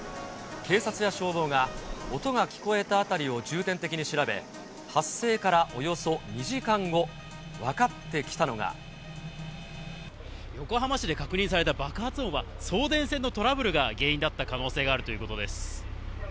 警察や消防が、音が聞こえた辺りを重点的に調べ、発生からおよそ横浜市で確認された爆発音は、送電線のトラブルが原因だった可能性があるということです。